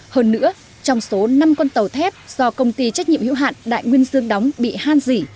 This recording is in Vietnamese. hơn nữa trong số năm con tàu thép do công ty trách nhiệm hữu hạn đại nguyên dương đóng bị han dỉ